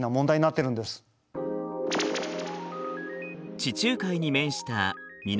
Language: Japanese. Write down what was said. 地中海に面した南